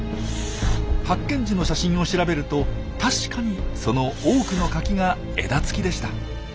発見時の写真を調べると確かにその多くのカキが枝つきでした。